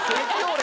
俺！